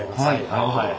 なるほど。